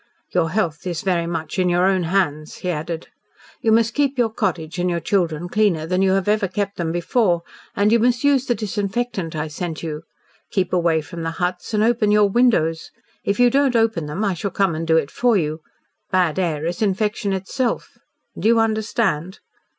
"Your health is very much in your own hands," he added. "You must keep your cottage and your children cleaner than you have ever kept them before, and you must use the disinfectant I sent you. Keep away from the huts, and open your windows. If you don't open them, I shall come and do it for you. Bad air is infection itself. Do you understand?"